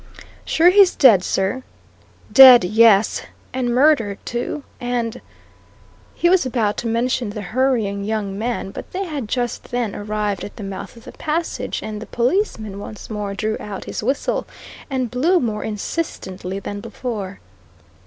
"Sure he's dead, sir?" "Dead yes! And murdered, too! And " He was about to mention the hurrying young man, but they had just then arrived at the mouth of the passage, and the policeman once more drew out his whistle and blew more insistently than before.